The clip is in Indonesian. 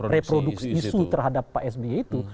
reproduksi isu terhadap pak sby itu